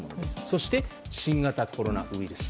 そして、新型コロナウイルス。